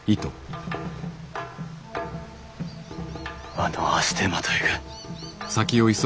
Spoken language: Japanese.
あの足手まといが。